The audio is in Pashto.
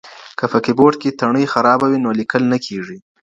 که په کیبورډ کې تڼۍ خرابه وي نو لیکل نه کېږي.